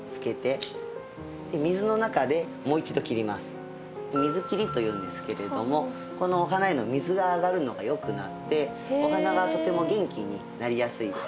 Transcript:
次は「水切り」というんですけれどもこのお花への水が上がるのがよくなってお花がとても元気になりやすいです。